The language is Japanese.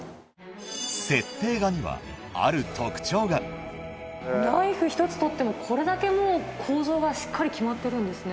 設定画にはあるナイフひとつとってもこれだけもう構造がしっかり決まってるんですね。